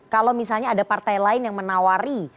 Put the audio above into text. kalau misalnya ada partai lain yang menawari